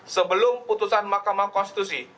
sebelum putusan makamah konstitusi